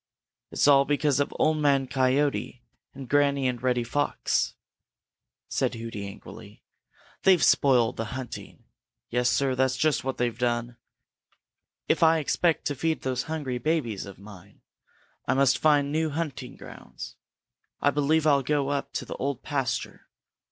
"It's all because of Old Man Coyote and Granny and Reddy Fox," said Hooty angrily. "They've spoiled the hunting. Yes, Sir, that's just what they have done! If I expect to feed those hungry babies of mine, I must find new hunting grounds. I believe I'll go up to the Old Pasture.